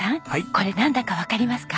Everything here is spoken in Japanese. これなんだかわかりますか？